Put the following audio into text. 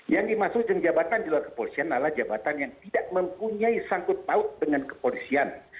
yang dimaksudkan jabatan di luar kepolisian adalah jabatan yang tidak mempunyai sanggup taut dengan kepolisian